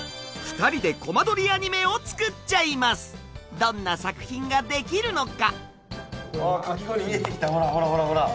どんな作品ができるのか！